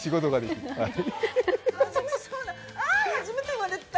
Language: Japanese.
あ、初めて言われた。